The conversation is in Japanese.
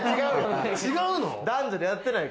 違うの？